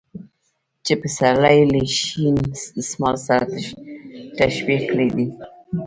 چې پسرلى يې له شين دسمال سره تشبيه کړى دى .